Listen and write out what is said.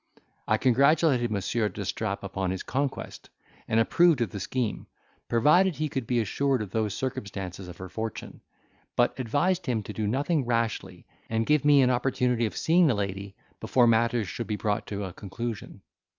I congratulated Monsieur d'Estrapes upon his conquest, and approved of the scheme, provided he could be assured of those circumstances of her fortune; but advised him to do nothing rashly, and give me an opportunity of seeing the lady before matters should be brought to a conclusion.